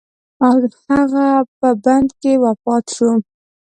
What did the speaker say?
او هغه په بند کې وفات شو.